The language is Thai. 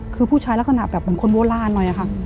คือผู้ชายลักษณะเหมือนคนโบราณนะคะ